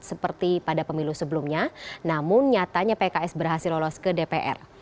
seperti pada pemilu sebelumnya namun nyatanya pks berhasil lolos ke dpr